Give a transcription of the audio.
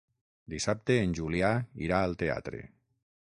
Dissabte en Julià irà al teatre.